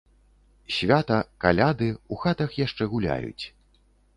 Свята, каляды, у хатах яшчэ гуляюць.